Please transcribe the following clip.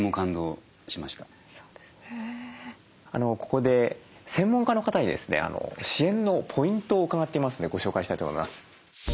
ここで専門家の方にですね支援のポイントを伺っていますのでご紹介したいと思います。